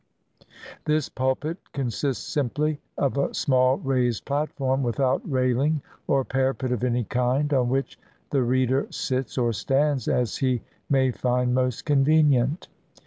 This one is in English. This pulpit consists simply of a small raised platform, without rail ing or parapet of any kind, on which the reader sits or stands, as he may find most convenient.